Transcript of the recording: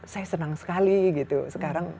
saya senang sekali gitu sekarang